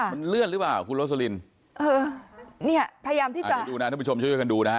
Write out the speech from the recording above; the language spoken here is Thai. มันเลื่อนหรือเปล่าคุณโรสลินเออเนี่ยพยายามที่จะดูนะท่านผู้ชมช่วยกันดูนะฮะ